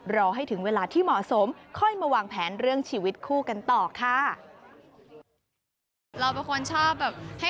รอให้ถึงเวลาที่เหมาะสมค่อยมาวางแผนเรื่องชีวิตคู่กันต่อค่ะ